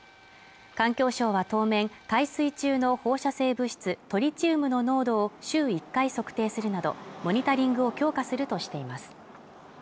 環境省は当面海水中の放射性物質トリチウムの濃度を週１回測定するなどモニタリングを強化するとしています